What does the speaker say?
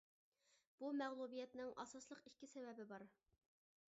بۇ مەغلۇبىيەتنىڭ ئاساسلىق ئىككى سەۋەبى بار.